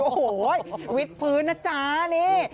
โอ้โหวิทย์พื้นนะจ๊ะนี่